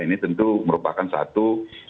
ini tentu merupakan satu